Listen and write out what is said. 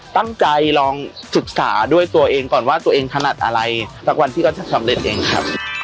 ตั้งใจลองศึกษาด้วยตัวเองก่อนว่าตัวเองถนัดอะไรสักวันพี่ก็จะสำเร็จเองครับ